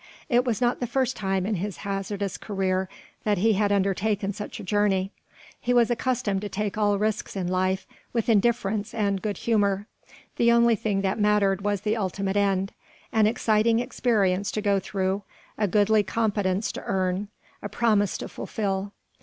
It was not the first time in his hazardous career that he had undertaken such a journey. He was accustomed to take all risks in life with indifference and good humour, the only thing that mattered was the ultimate end: an exciting experience to go through, a goodly competence to earn, a promise to fulfil.